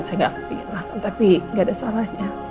saya gak kepengen makan tapi gak ada salahnya